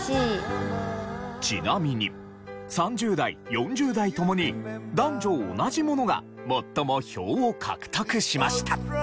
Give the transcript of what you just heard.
ちなみに３０代４０代ともに男女同じものが最も票を獲得しました。